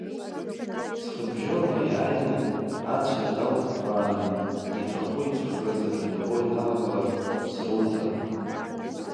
Ҵхыбжьонла иааины, ацәа далкәкәааны иҿахәы иҿыхразы дырго ианалагалак, срумҭан…